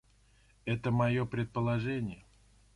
Это моё предположение.